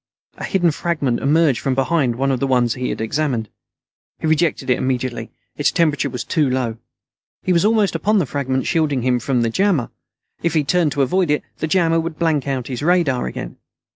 A hidden fragment emerged from behind one of the ones he had examined. He rejected it immediately. Its temperature was too low. He was almost upon the fragment shielding him from the jammer. If he turned to avoid it, the jammer would blank out his radar again.